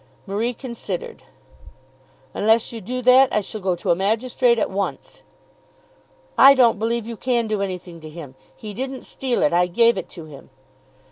Marie considered. "Unless you do that I shall go to a magistrate at once." "I don't believe you can do anything to him. He didn't steal it. I gave it to him."